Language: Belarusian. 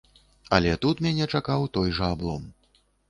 Але тут мяне чакаў той жа аблом.